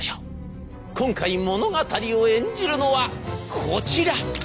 今回物語を演じるのはこちら。